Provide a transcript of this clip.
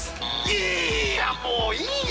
いやもういいよ！